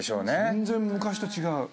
全然昔と違う。